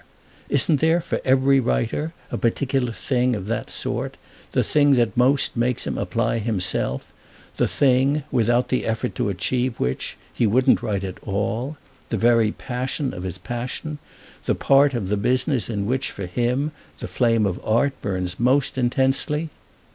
Isn't there for every writer a particular thing of that sort, the thing that most makes him apply himself, the thing without the effort to achieve which he wouldn't write at all, the very passion of his passion, the part of the business in which, for him, the flame of art burns most intensely?